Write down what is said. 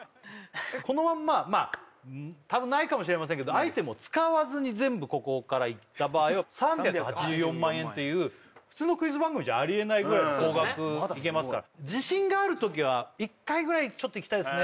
このまんまたぶんないかもしれませんけどアイテムを使わずに全部ここからいった場合は３８４万円っていう普通のクイズ番組じゃありえないぐらいの高額いけますから自信がある時は一回ぐらいちょっといきたいですね